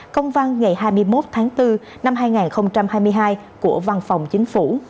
công văn ngày hai mươi một tháng bốn năm hai nghìn hai mươi hai của văn phòng chính phủ